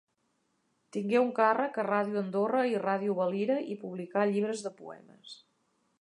Tingué un càrrec a Ràdio Andorra i a Ràdio Valira i publicà llibres de poemes.